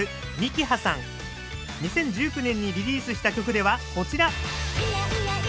２０１９年にリリースした曲ではこちら。